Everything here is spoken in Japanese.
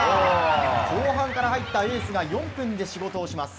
後半から入ったエースが４分で仕事をします。